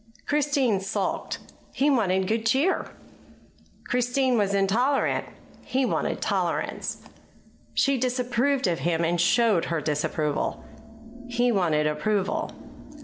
Christine sulked he wanted good cheer; Christine was intolerant he wanted tolerance; she disapproved of him and showed her disapproval he wanted approval.